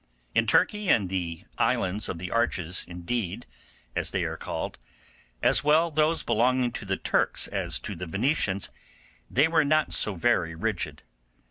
In Turkey and the islands of the Arches indeed, as they are called, as well those belonging to the Turks as to the Venetians, they were not so very rigid.